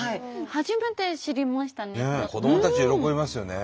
初めて知りましたね。